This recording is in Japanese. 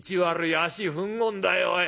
足ふんごんだよおい。